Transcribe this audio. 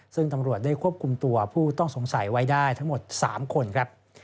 ซึ่งตำรวจได้ควบคุมตัวผู้ต้องสงสัยไว้ได้ทั้งหมด๓คนครับ